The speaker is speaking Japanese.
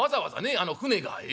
あの船がえ？